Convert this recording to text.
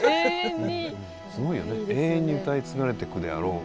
すごいよね永遠に歌い継がれてくであろう唄。